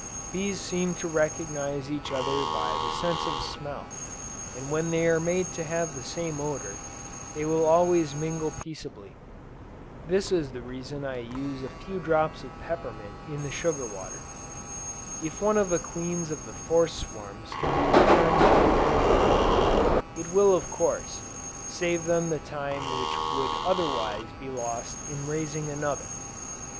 Bees seem to recognize each other by the sense of smell; and when they are made to have the same odor, they will always mingle peaceably. This is the reason why I use a few drops of peppermint in the sugar water. If one of the queens of the forced swarms can be returned to her own colony, it will of course, save them the time which would otherwise be lost in raising another.